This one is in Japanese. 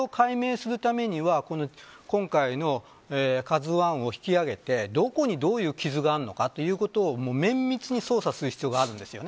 それを解明するためには今回のＫＡＺＵ１を引き揚げてどこにどういう傷があるのかということを綿密に捜査する必要があるんです。